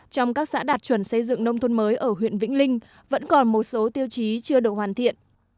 trong các xã đạt chuẩn xây dựng nông thôn mới ở huyện vĩnh linh vẫn còn một số tiêu chí chưa được hoàn thiện